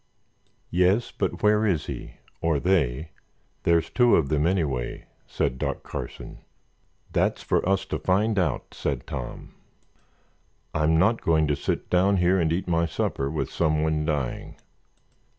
"Yes, but where is he—or they? There's two of them, anyway," said Doc Carson. "That's for us to find out," said Tom. "I'm not going to sit down here and eat my supper with someone dying."